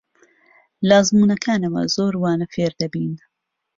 لە ئەزموونەکانەوە زۆر وانە فێر دەبین.